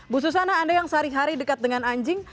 bu susana anda yang sehari hari dekat dengan anjing